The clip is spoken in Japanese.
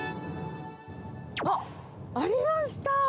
あっ、ありました。